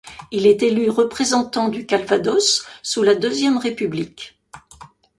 Il est élu représentant du Calvados sous la Deuxième République.